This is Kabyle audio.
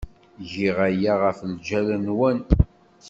Giɣ aya ɣef lǧal-nwen.